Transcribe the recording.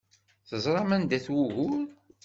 Teẓram anda-t wugur.